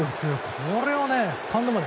これをスタンドまで。